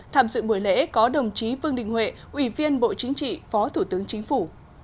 tham dự buổi lễ có đồng chí vương đình huệ ủy viên bộ chính trị phó thủ tướng chính phủ